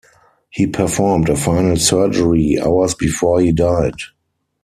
He performed a final surgery hours before he died.